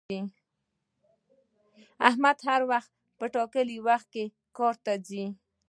احمد هر وخت په ټاکلي وخت کار ته ځي